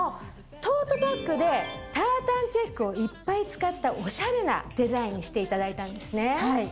トートバッグでタータンチェックをいっぱい使ったおしゃれなデザインにしていただいたんですね。